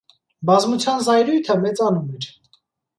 Բազմության զայրույթը մեծանում էր։